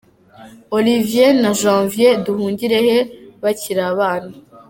Olivier na Janvier Nduhungirehe bakiri abana